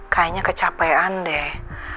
kayaknya kecapean deh